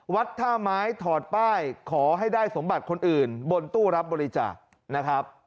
วัดท่าไม้ถอดป้ายขอให้ได้สมบัติคนอื่นบนตู้รับบริจาคนะครับ